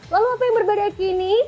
lalu apa yang berbeda kini